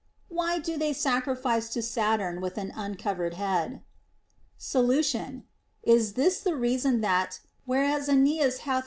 Why do they sacrifice to Saturn with an uncovered head 1 Solution. Is this the reason, that, whereas Aeneas hath THE ROMAN QUESTIONS.